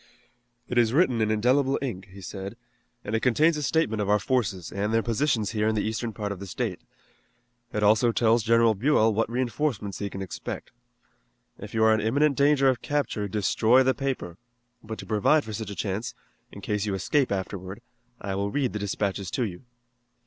"It is written in indelible ink," he said, "and it contains a statement of our forces and their positions here in the eastern part of the state. It also tells General Buell what reinforcements he can expect. If you are in imminent danger of capture destroy the paper, but to provide for such a chance, in case you escape afterward, I will read the dispatches to you."